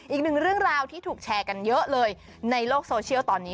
อีกหนึ่งเรื่องราวที่ถูกแชร์กันเยอะเลยในโลกโซเชียลตอนนี้